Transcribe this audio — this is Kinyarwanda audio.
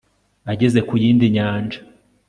ageze ku yindi nyanja